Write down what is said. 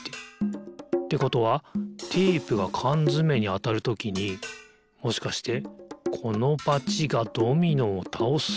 ってことはテープがかんづめにあたるときにもしかしてこのバチがドミノをたおす？